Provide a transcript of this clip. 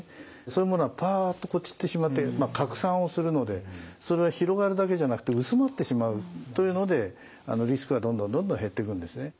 そういうものはパッと散ってしまって拡散をするのでそれは広がるだけじゃなくて薄まってしまうというのでリスクがどんどんどんどん減ってくんですね。